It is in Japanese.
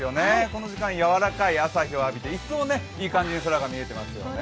この時間、やわらかい朝日を浴びて一層いい感じに空が見えてますよね。